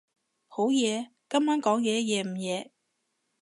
好夜？今晚講嘢夜唔夜？